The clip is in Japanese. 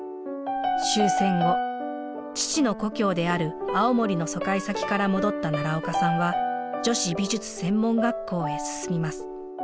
終戦後父の故郷である青森の疎開先から戻った奈良岡さんは女子美術専門学校へ進みます。